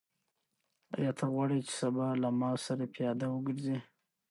آیا ته غواړې چې سبا له ما سره پیاده وګرځې؟